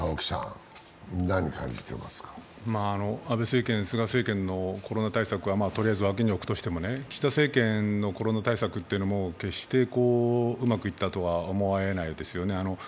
安倍政権、菅政権のコロナ対策はとりあえず脇に置くとしても、岸田政権のコロナ対策というのも決してうまくいったとは思えないですよね。